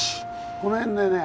この辺でね